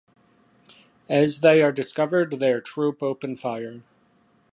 As they are discovered their troop open fire.